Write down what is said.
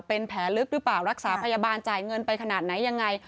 เป็นแผลลึกหรือเปล่ารักษาพยาบาลจ่ายเงินไปขนาดไหนยังไง